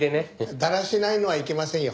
だらしないのはいけませんよ。